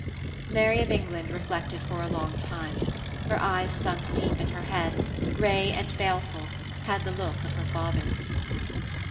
Mary of England reflected for a long time. Her eyes sunk deep in her head, grey and baleful, had the look of her father's.